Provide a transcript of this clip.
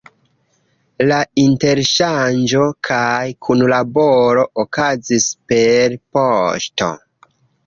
La interŝanĝo kaj kunlaboro okazis per poŝto.